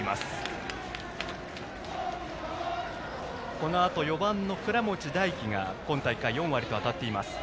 このあと４番の倉持大希が今大会４割と当たっています。